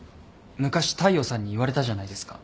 昔大陽さんに言われたじゃないですか。